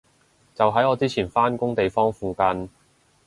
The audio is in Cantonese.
就喺我之前返工地方附近